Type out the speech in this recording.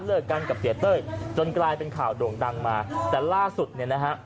เลิกกันกับเสียเต้ยจนกลายเป็นข่าวโด่งดังมาแต่ล่าสุดเนี่ยนะฮะ